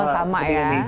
oh sama ya